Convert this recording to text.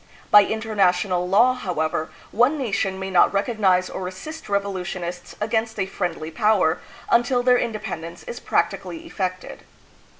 By international law, however, one nation may not recognize or assist revolu tionists against a friendly power until their independence is practically effected.